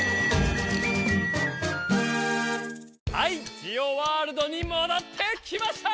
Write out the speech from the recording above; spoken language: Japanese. はいジオワールドにもどってきました！